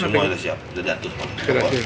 semua sudah siap sudah diatur semua